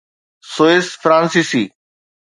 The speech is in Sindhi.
سوئس فرانسيسي